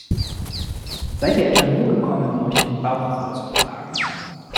Seid ihr etwa nur gekommen, um euch den Bauch vollzuschlagen?